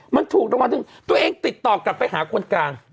มันถูกรางวัลถึงตัวเองติดต่อกลับไปหาคนกลาง